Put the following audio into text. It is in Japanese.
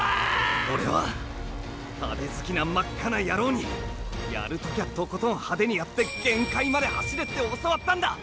オレは派手好きな真っ赤なヤロウにやるときゃとことん派手にやって限界まで走れって教わったんだ。